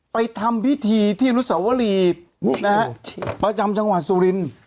ทำพิธีที่อนุสวรีนะฮะประจำจังหวัดสุรินทร์